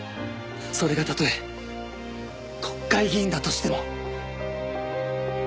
それがたとえ国会議員だとしても。